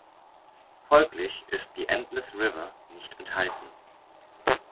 Folglich ist "The Endless River" nicht enthalten.